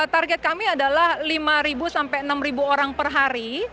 target kami adalah lima sampai enam orang per hari